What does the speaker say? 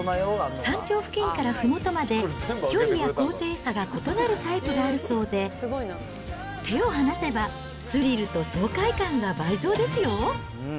山頂付近からふもとまで、距離や高低差が異なるタイプがあるそうで、手を離せばスリルと爽快感が倍増ですよ。